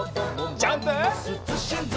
ジャンプ！